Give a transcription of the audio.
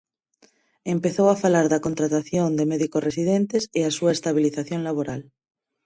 Empezou a falar da contratación de médicos residentes e a súa estabilización laboral.